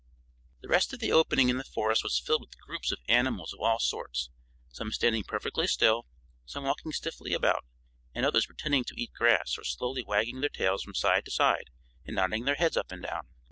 The rest of the opening in the forest was filled with groups of animals of all sorts, some standing perfectly still, some walking stiffly about, and others pretending to eat grass, or slowly wagging their tails from side to side and nodding their heads up and down.